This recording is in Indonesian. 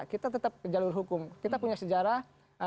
kita tetap jalur hukum kita punya sejarah